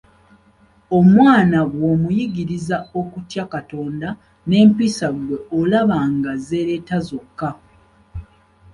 Omwana bw’omuyigiriza okutya Katonda n’empisa ggwe olaba nga zeereeta zokka.